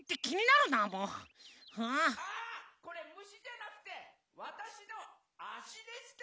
・あこれむしじゃなくてわたしのあしでした！